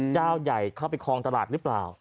เจ้าใหญ่เข้าไปคลองตลาดหรือเปล่า